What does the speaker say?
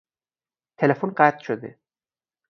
تلفن قطع شده.